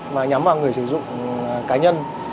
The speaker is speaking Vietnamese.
và nhắm vào người sử dụng cá nhân